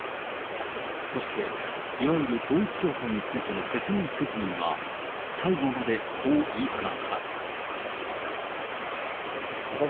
そして、いわゆる統一教会についての説明責任は、最後までこう言い放った。